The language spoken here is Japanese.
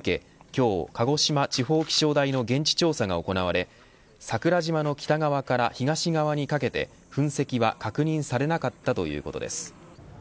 今日、鹿児島地方気象台の現地調査が行われ桜島の北側から東側にかけて、噴石は確認されなかったということです。